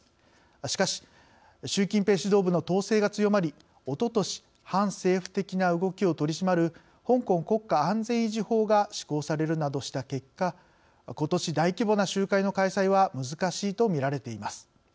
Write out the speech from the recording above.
しかし習近平指導部の統制が強まりおととし反政府的な動きを取り締まる「香港国家安全維持法」が施行されるなどした結果ことし大規模な集会の開催は難しいとみられています。